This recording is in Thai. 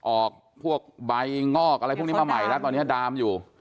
ออกพวกใบงอกอะไรพวกนี้มาใหม่แล้วตอนนี้ดามอยู่